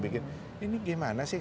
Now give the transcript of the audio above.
ini bagaimana sih